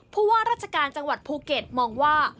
ผู้ว่าราชการจังหวัดภูเก็ตมองว่า